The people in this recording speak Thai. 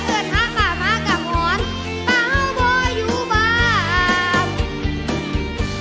เอิดห้ามป่ามากับหอนป่าเฮ้าบ่อยอยู่บ้าง